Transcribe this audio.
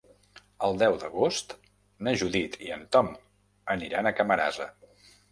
El deu d'agost na Judit i en Tom aniran a Camarasa.